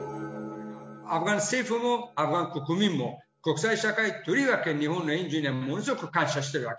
アフガン政府もアフガン国民も、国際社会、とりわけ日本の援助にはものすごく感謝してるわけ。